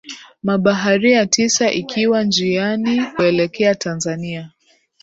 mabaharia tisa ikiwa njiani kuelekea tanzania